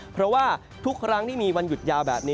เพราะว่าทุกครั้งที่มีวันหยุดยาวแบบนี้